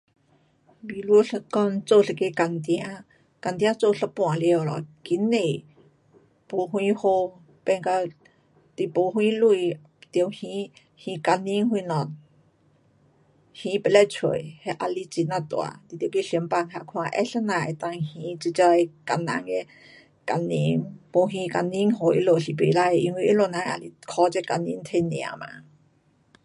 比如一讲做一个工程，工程做一半完了，经济没什好，变到你没什钱得还，还工钱什么，还不得出，那也是很呀大。得去想办法啊怎样能够还这这些工人的工钱，没还工钱给他们是不可，因为他们人也是靠这工钱赚吃嘛。